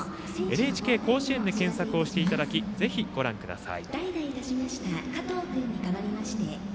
「ＮＨＫ甲子園」で検索をしていただきぜひ、ご覧ください。